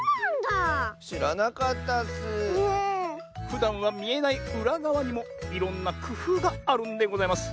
ふだんはみえないうらがわにもいろんなくふうがあるんでございます。